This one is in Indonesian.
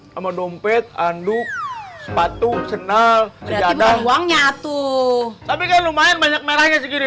sama dompet anduk sepatu senal berada uangnya tuh tapi kan lumayan banyak merahnya segini